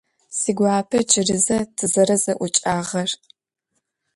Сигуапэ джыри зэ тызэрэзэӏукӏагъэр?